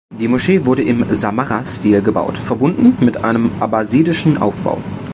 Die Moschee wurde im Samarra-Stil gebaut, verbunden mit einem abbasidischen Aufbau.